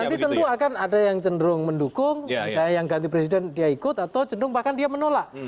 nanti tentu akan ada yang cenderung mendukung misalnya yang ganti presiden dia ikut atau cenderung bahkan dia menolak